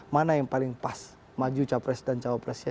mana yang paling pas maju capres dan cawapresnya